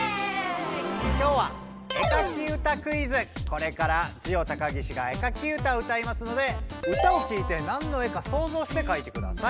今日はこれからジオ高岸が絵かき歌を歌いますので歌をきいて何の絵かそうぞうしてかいてください。